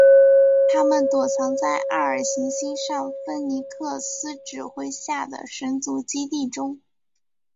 他们躲藏在艾尔行星上芬尼克斯指挥下的神族基地中。